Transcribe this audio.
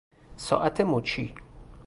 ساعت مچی